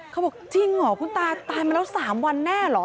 เค้าบอกแกเง่ปะคุณตาตายมาแล้ว๓วันแน่หรอ